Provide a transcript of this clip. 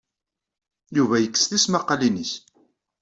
Yuba yekkes tismaqqalin-nnes.